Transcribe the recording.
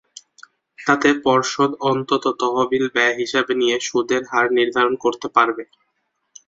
তাতে পর্ষদ অন্তত তহবিল ব্যয় হিসাবে নিয়ে সুদের হার নির্ধারণ করতে পারবে।